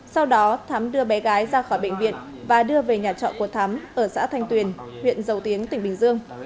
sau đó thắm đưa bé gái ra khỏi bệnh viện và đưa về nhà trọ của thắm ở xã thanh tuyền huyện dầu tiến tỉnh bình dương